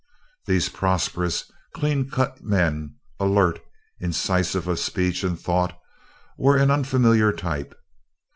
These prosperous, clean cut men, alert, incisive of speech and thought, were an unfamiliar type.